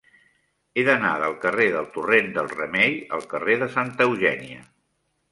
He d'anar del carrer del Torrent del Remei al carrer de Santa Eugènia.